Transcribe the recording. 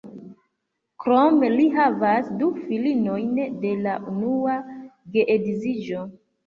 Krome li havas du filinojn de la unua geedziĝo.